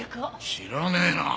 知らねえな。